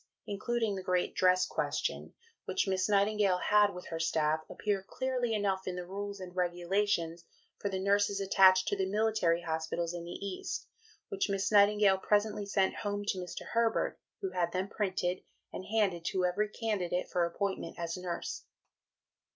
The difficulties including the great Dress Question which Miss Nightingale had with her staff, appear clearly enough in the "Rules and Regulations for the Nurses attached to the Military Hospitals in the East," which Miss Nightingale presently sent home to Mr. Herbert, who had them printed, and handed to every candidate for appointment as nurse.